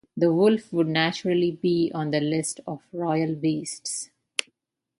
The wolf would naturally be on the list of royal beasts.